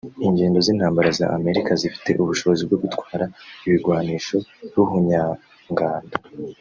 Indege z'intambara za Amerika zifise ubushobozi bwo gutwara ibigwanisho ruhonyanganda